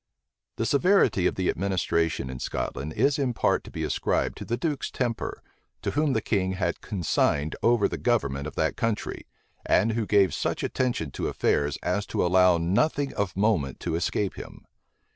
The severity of the administration in Scotland is in part to be ascribed to the duke's temper, to whom the king had consigned over the government of that country, and who gave such attention to affairs as to allow nothing of moment to escape him.